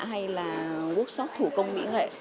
hay là workshop thủ công mỹ nghệ